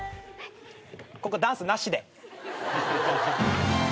ここダンスなしで。